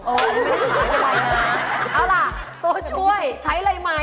เอาล่ะตัวช่วยใช้เลยไหม